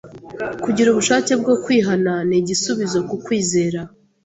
Kugira ubushake bwo kwihana n'igisubizo ku kwizera,